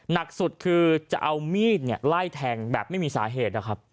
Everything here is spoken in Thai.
หนักสุดคือจะเอามีดไล่แทงแบบไม่มีสาเหตุนะครับ